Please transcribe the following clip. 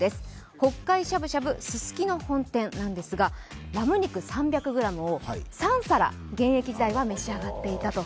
北海しゃぶしゃぶすすき野本店なんですが、ラム肉３００ｇを３皿、現役時代は召し上がっていたと。